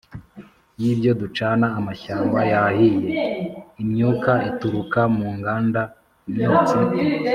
y'ibyo ducana: amashyamba yahiye, imyuka ituruka mu nganda, imyotsi